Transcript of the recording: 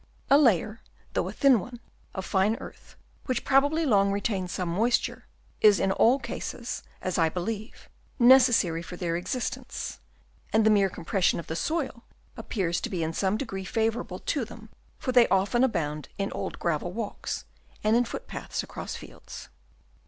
A layer, though a thin one, of fine earth, which probably long retains some moisture, is in all cases, as I believe, necessary for their existence ; and the mere compression of the soil appears to be in some degree favourable to them, for they often abound in old gravel walks, and in foot paths across fields.